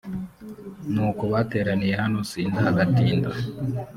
nuko bateraniye hano sindagatinda